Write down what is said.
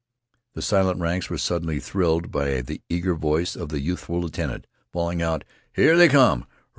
The silent ranks were suddenly thrilled by the eager voice of the youthful lieutenant bawling out: "Here they come!